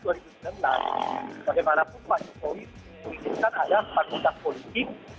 bagaimanapun pak jokowi mengikatkan ada pan pindah politik